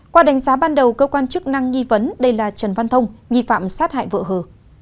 qua đánh giá ban đầu cơ quan chức năng nghi vấn đây là trần văn thông nghi phạm sát hại vợ hờ